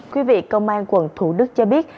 quý vị công an quận thủ đức cho biết